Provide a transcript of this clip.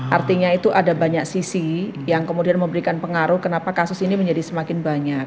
artinya itu ada banyak sisi yang kemudian memberikan pengaruh kenapa kasus ini menjadi semakin banyak